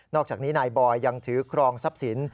อกจากนี้นายบอยยังถือครองทรัพย์สิน